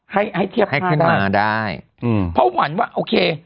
ให้ให้เทียบให้ได้มาได้อืมเพราะหวันว่าโอเค